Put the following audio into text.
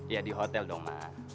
ya di hotel dong mas